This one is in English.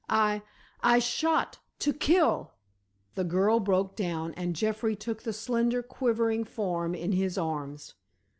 I—I shot—to kill——" the girl broke down and Jeffrey took the slender, quivering form in his arms.